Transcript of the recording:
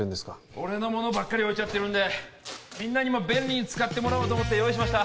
俺のものばっかり置いちゃってるんでみんなにも便利に使ってもらおうと思って用意しました